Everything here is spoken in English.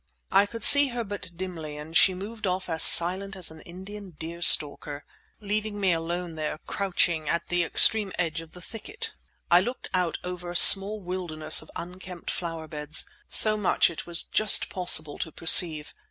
I could see her but dimly, and she moved off as silent as an Indian deer stalker, leaving me alone there crouching at the extreme edge of the thicket. I looked out over a small wilderness of unkempt flower beds; so much it was just possible to perceive.